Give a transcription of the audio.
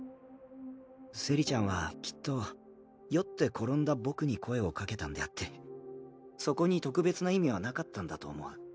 セリちゃんはきっと酔って転んだ僕に声を掛けたんであってそこに特別な意味はなかったんだと思う。